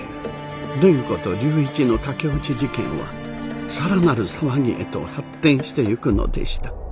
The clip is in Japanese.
蓮子と龍一の駆け落ち事件は更なる騒ぎへと発展していくのでした。